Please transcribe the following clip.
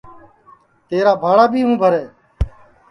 تیرا بھاڑا بھی ہوں بھرے